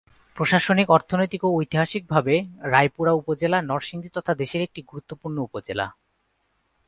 প্রশাসনিক, অর্থনৈতিক ও ঐতিহাসিকভাবে রায়পুরা উপজেলা নরসিংদী তথা দেশের একটি গুরুত্বপূর্ণ উপজেলা।